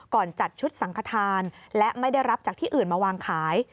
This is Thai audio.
จัดชุดสังขทานและไม่ได้รับจากที่อื่นมาวางขาย